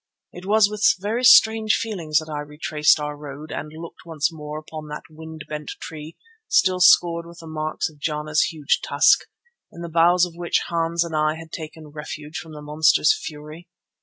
It was with very strange feelings that I retraced our road and looked once more upon that wind bent tree still scored with the marks of Jana's huge tusk, in the boughs of which Hans and I had taken refuge from the monster's fury.